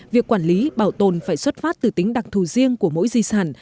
việc quản lý bảo tồn phải xuất phát từ tính đặc thù riêng của mỗi di sản